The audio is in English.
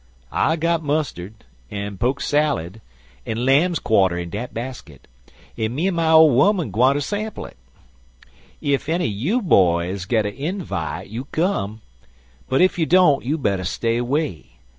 I got mustard, en poke salid, en lam's quarter in dat baskit, en me en my ole 'oman gwineter sample it. Ef enny you boys git a invite you come, but ef you don't you better stay 'way.